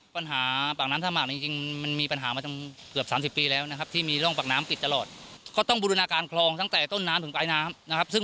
ปัญหาบ่นอำนานสามักจริง